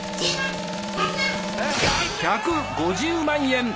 １５０万円！